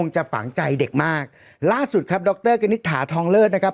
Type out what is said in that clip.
จะฝังใจเด็กมากล่าสุดครับดรกณิตถาทองเลิศนะครับ